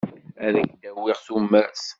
Ad ak-d-awiɣ tumert.